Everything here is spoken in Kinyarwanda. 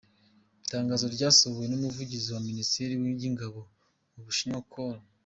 Itangazo ryasohowe n’umuvugizi wa Minisiteri y’ingabo w’u Bushinwa, Col.